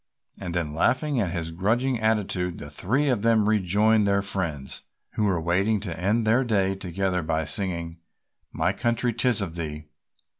And then laughing at his grudging attitude the three of them rejoined their friends, who were waiting to end their day together by singing "My Country, 'Tis of Thee."